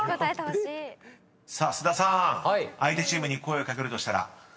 ［さあ菅田さん相手チームに声を掛けるとしたら？］